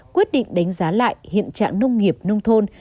quyết định đánh giá lại hiện trạng nông nghiệp nông thôn